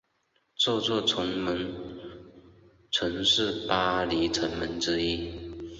这座城门曾是巴黎城门之一。